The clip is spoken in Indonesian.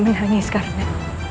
ibu undang menangis karena